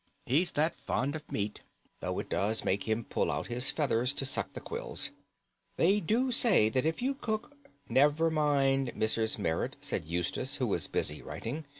He's that fond of meat, though it does make him pull out his feathers to suck the quills. They do say that if you cook—" "Never mind, Mrs. Merrit," said Eustace, who was busy writing.